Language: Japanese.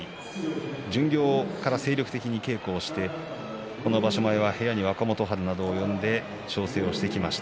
巡業から精力的に稽古をしてこの場所前は部屋に若元春などを呼んで調整をしてきました。